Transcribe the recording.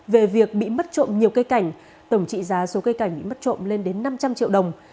về việc bị mất trộm nhiều cây cảnh tổng trị giá số cây cảnh bị mất trộm lên đến năm trăm linh triệu đồng